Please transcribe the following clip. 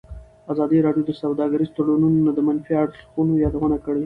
ازادي راډیو د سوداګریز تړونونه د منفي اړخونو یادونه کړې.